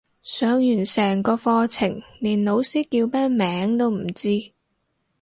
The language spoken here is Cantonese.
上完成個課程連老師叫咩名都唔知